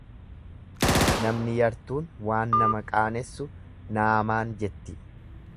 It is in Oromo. Namni yartuun waan nama qaanessu naamaan jetti.